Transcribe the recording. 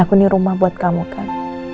aku nih rumah buat kamu kan